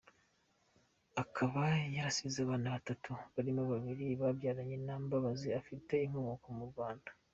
Akaba yarasize abana batanu barimo babiri yabyaranye na Mbabazi ufite inkomoko mu Rwanda .